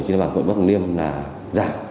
trên địa bàn quận bắc tử liêm là giả